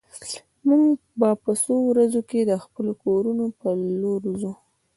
موږ به په څو ورځو کې د خپلو کورونو په لور ځو